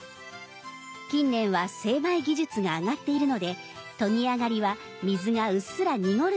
近年は精米技術が上がっているのでとぎ上がりは水がうっすら濁る